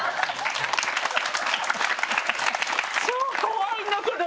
超怖いんだけど！